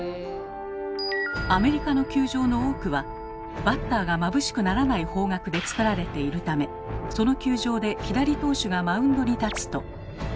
アメリカの球場の多くはバッターがまぶしくならない方角でつくられているためその球場で左投手がマウンドに立つと。